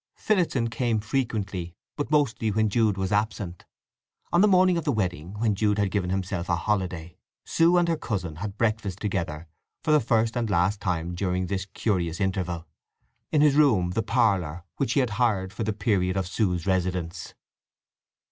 Phillotson came frequently, but mostly when Jude was absent. On the morning of the wedding, when Jude had given himself a holiday, Sue and her cousin had breakfast together for the first and last time during this curious interval; in his room—the parlour—which he had hired for the period of Sue's residence.